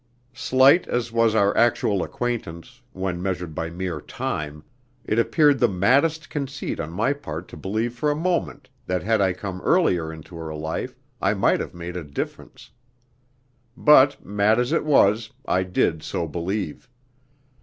Slight as was our actual acquaintance, when measured by mere time, it appeared the maddest conceit on my part to believe for a moment that had I come earlier into her life I might have made a difference. But, mad as it was, I did so believe.